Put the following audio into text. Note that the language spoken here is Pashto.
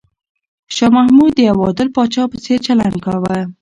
شاه محمود د یو عادل پاچا په څېر چلند کاوه.